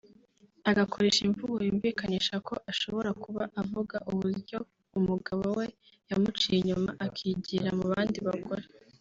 agakoresha imvugo yumvikanisha ko ashobora kuba avuga uburyo umugabo we yamuciye inyuma akigira mu bandi bagore